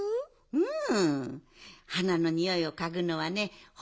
うん！